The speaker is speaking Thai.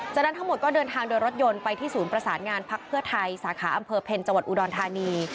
จากนั้นทั้งหมดก็เดินทางโดยรถยนต์ไปที่ศูนย์ประสานงานพักเพื่อไทยสาขาอำเภอเพ็ญจังหวัดอุดรธานี